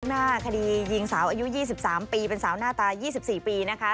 หน้าคดียิงสาวอายุ๒๓ปีเป็นสาวหน้าตา๒๔ปีนะคะ